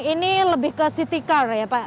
ini lebih ke city car ya pak